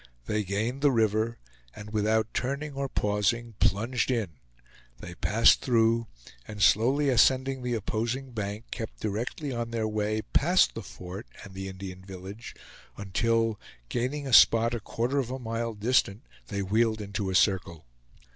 They gained the river, and without turning or pausing plunged in; they passed through, and slowly ascending the opposing bank, kept directly on their way past the fort and the Indian village, until, gaining a spot a quarter of a mile distant, they wheeled into a circle.